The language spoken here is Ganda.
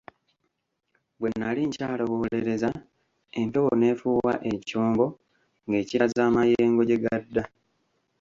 Bwe nali nkyalowoolereza, empewo n'efuuwa ekyombo ng'ekiraza amayengo gye gadda.